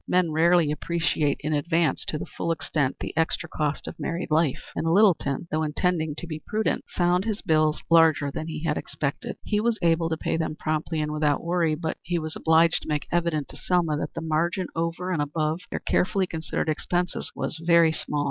Men rarely appreciate in advance to the full extent the extra cost of married life, and Littleton, though intending to be prudent, found his bills larger than he had expected. He was able to pay them promptly and without worry, but he was obliged to make evident to Selma that the margin over and above their carefully considered expenses was very small.